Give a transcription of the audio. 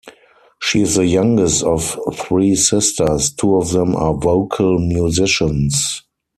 She is the youngest of three sisters, two of them are vocal musicians.